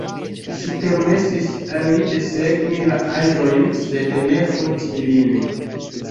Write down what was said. Ŝi permesis al li desegni la aĵojn, sed ne foti ilin.